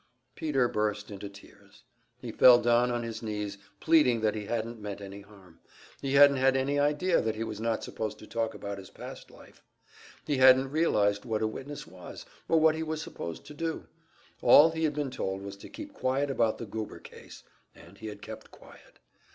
Peter burst into tears. He fell down on his knees, pleading that he hadn't meant any harm; he hadn't had any idea that he was not supposed to talk about his past life; he hadn't realized what a witness was, or what he was supposed to do. All he had been told was to keep quiet about the Goober case, and he had kept quiet.